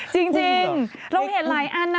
จริงเราเห็นหลายอันนะ